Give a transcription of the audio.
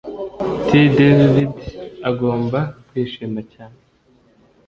T David agomba kwishima cyane